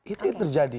itu yang terjadi